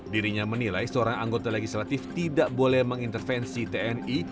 dirinya menilai seorang anggota legislatif tidak boleh mengintervensi tni